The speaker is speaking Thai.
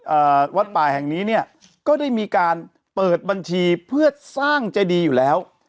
วัดป่าแห่งนี้เนี่ยก็ได้มีการเปิดบัญชีเพื่อสร้างเจดีอยู่แล้ว